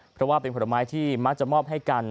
เพราะว่าเป็นผลไม้ที่มักจะมอบให้กัน